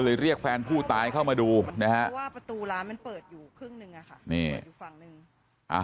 เลยเรียกแฟนผู้ตายเข้ามาดูนะฮะ